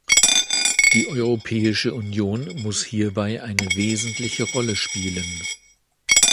Die Europäische Union muss hierbei eine wesentliche Rolle spielen.